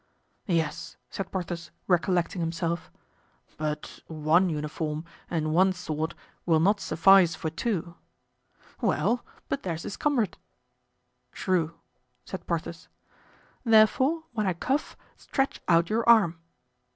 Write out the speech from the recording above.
"Yes," said Porthos, recollecting himself, "but one uniform and one sword will not suffice for two." "Well; but there's his comrade." "True," said Porthos. "Therefore, when I cough, stretch out your arm."